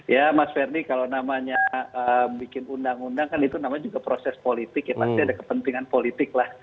ya mas ferdie kalau namanya bikin undang undang kan itu namanya juga proses politik ya pasti ada kepentingan politik lah